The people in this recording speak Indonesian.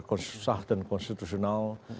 susah dan konstitusional